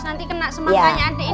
nanti kena semangkanya adik